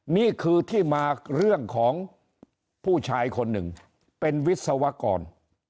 นี่คือที่มาเรื่องของผู้ชายคนหนึ่งเป็นวิศวกร